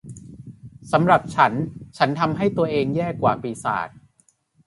สำหรับฉันฉันทำให้ตัวเองแย่กว่าปีศาจ